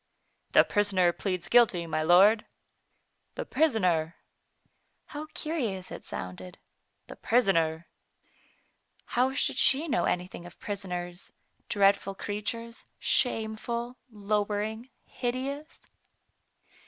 "The prisoner pleads guilty, my lord." "The prisoner! How curious it sounded. "The prisoner !How should she know anything of prisoners, dreadful creatures, shameful, lowering, hideous?